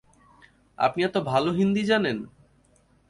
আপনি এতো ভালো হিন্দি জানেন।